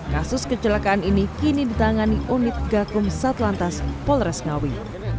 kasus kecelakaan ini kini ditangani unit gakum satlantas polres ngawi